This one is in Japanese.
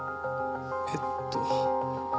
えっと。